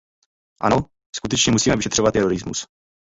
Ano, skutečně musíme vyšetřovat terorismus.